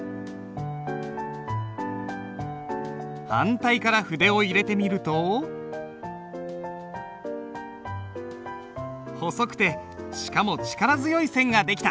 反対から筆を入れてみると細くてしかも力強い線が出来た。